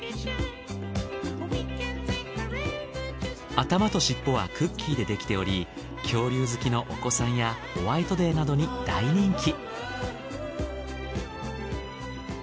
頭としっぽはクッキーでできており恐竜好きのお子さんやホワイトデーなどに大人気。